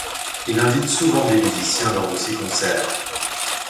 Il invite souvent des musiciens lors de ses concerts.